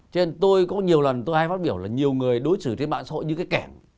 cho nên tôi có nhiều lần tôi ai phát biểu là nhiều người đối xử trên mạng xã hội như cái kẻm